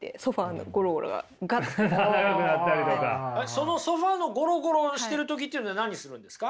そのソファのゴロゴロしてる時っていうのは何するんですか？